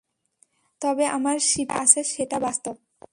তবে আমার শিপে যেটা আছে সেটা বাস্তব।